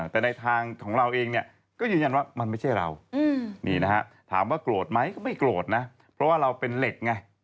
แต่ในทางของเราเองเนี่ยก็ยืนยันว่ามันไม่ใช่เรานี่นะฮะถามว่าโกรธไหมก็ไม่โกรธนะเพราะว่าเราเป็นเหล็กไง